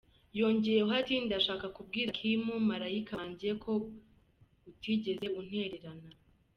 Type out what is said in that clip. Yongeyeho ati “Ndashaka kubwira Kim, marayika wanjye, ko utigeze untererana.